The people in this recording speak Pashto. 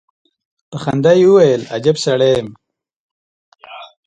په خندا يې وويل: اجب سړی يم.